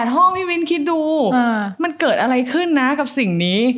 ห้องพี่มิ้นคิดดูมันเกิดอะไรขึ้นนะกับสิ่งนี้